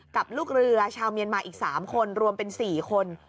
กับลูกเรือชาวเมียนมาอีก๓คนรวมเป็น๔คน